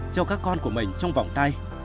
cho các con của mình trong vòng tay